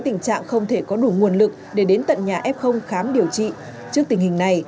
tình trạng không thể có đủ nguồn lực để đến tận nhà f khám điều trị trước tình hình này